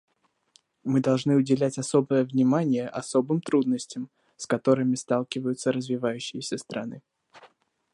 Мы должны уделять особое внимание особым трудностям, с которыми сталкиваются развивающиеся страны.